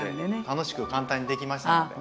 楽しく簡単にできましたので。